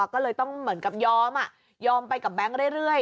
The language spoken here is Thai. ก็เลยต้องเหมือนกับยอมยอมไปกับแบงค์เรื่อย